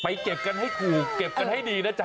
เก็บกันให้ถูกเก็บกันให้ดีนะจ๊